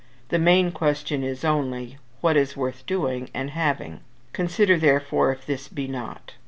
The main question is only what is worth doing and having: Consider, therefore, if this be not.